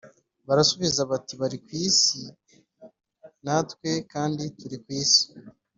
Barasubiza bati bari ku isi natwe kandi turi ku isi